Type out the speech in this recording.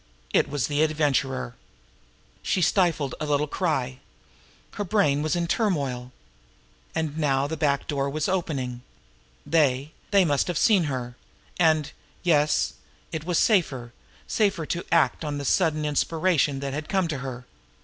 It was the Adventurer. She stifled a little cry. Her brain was in turmoil. And now the back door was opening. They they might see her here! And yes it was safer safer to act on the sudden inspiration that had come to her.